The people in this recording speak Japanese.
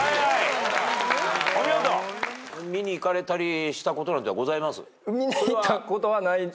見に行かれたりしたことなんてございます？